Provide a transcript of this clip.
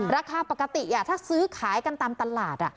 ราคาปกติถ้าซื้อขายกันตามตลาด